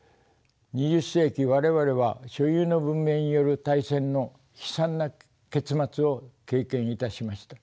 ２０世紀我々は所有の文明による大戦の悲惨な結末を経験いたしました。